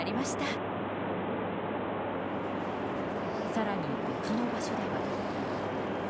更に、別の場所では。